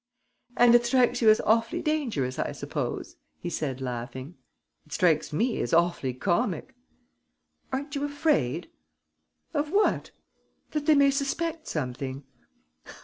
"And it strikes you as awfully dangerous, I suppose?" he said, laughing. "It strikes me as awfully comic." "Aren't you afraid?" "Of what?" "That they may suspect something?"